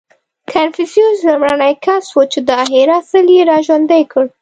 • کنفوسیوس لومړنی کس و، چې دا هېر اصل یې راژوندی کړ.